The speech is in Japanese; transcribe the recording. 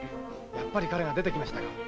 やっぱり彼が出てきましたか。